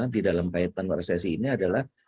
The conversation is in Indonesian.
di dalam pahit pengeresesi ini adalah